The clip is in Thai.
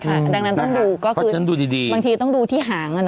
ดังนั้นต้องดูก็คือบางทีต้องดูที่หาง